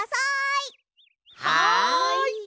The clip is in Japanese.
はい！